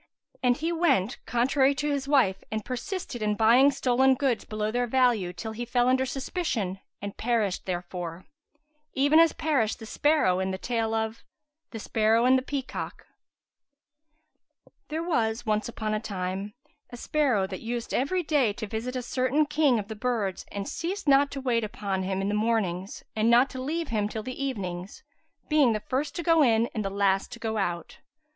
And he went contrary to his wife and persisted in buying stolen goods below their value till he fell under suspicion and perished therefor: even as perished the sparrow in the tale of THE SPARROW AND THE PEACOCK There was once upon a time a sparrow, that used every day to visit a certain king of the birds and ceased not to wait upon him in the mornings and not to leave him till the evenings, being the first to go in and the last to go out.